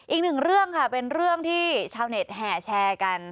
อีกหนึ่งเรื่องค่ะเป็นเรื่องที่ชาวเน็ตแห่แชร์กัน